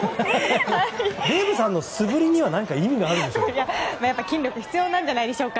デイブさんの素振りには何か意味があるんでしょうか。